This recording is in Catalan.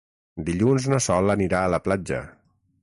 Dilluns na Sol anirà a la platja.